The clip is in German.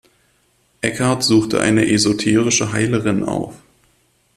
Eckhart suchte eine esoterische Heilerin auf.